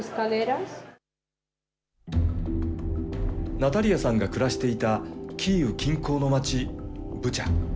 ナタリヤさんが暮らしていたキーウ近郊の町、ブチャ。